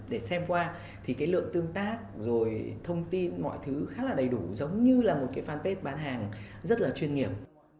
để xem qua thì cái lượng tương tác rồi thông tin mọi thứ khá là đầy đủ giống như là một cái fanpage bán hàng rất là chuyên nghiệp